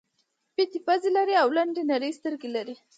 پېتې پزې لري او لنډې نرۍ سترګې لري.